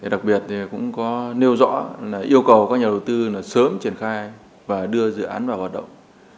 đặc biệt thì cũng có nêu rõ là yêu cầu các nhà đầu tư sớm triển khai và đưa dự án vào hoạt động